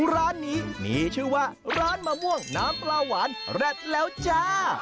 ร้านนี้มีชื่อว่าร้านมะม่วงน้ำปลาหวานแร็ดแล้วจ้า